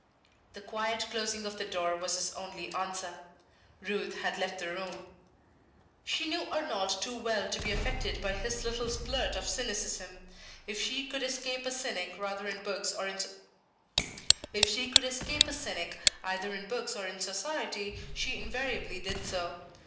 The quiet closing of the door was his only answer. Ruth had left the room. She knew Arnold too well to be affected by his little splurt of cynicism. If she could escape a cynic either in books or in society, she invariably did so.